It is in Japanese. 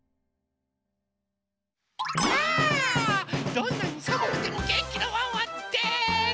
どんなにさむくてもげんきなワンワンです！